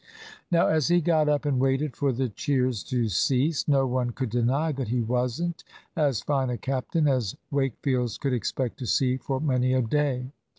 Now as he got up and waited for the cheers to cease, no one could deny that he wasn't as fine a captain as Wakefield's could expect to see for many a day.